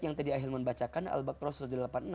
yang tadi ahilman bacakan al baqarah